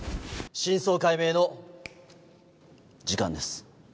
真相解明の時間です。